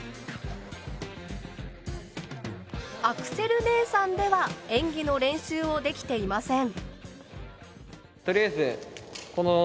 アクセル姉さんでは演技の練習をできていません。